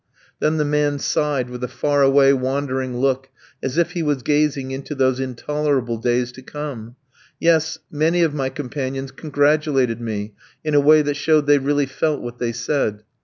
Then the man sighed with a far away, wandering look, as if he was gazing into those intolerable days to come.... Yes, many of my companions congratulated me in a way that showed they really felt what they said.